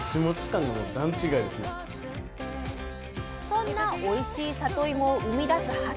そんなおいしいさといもを生み出す畑。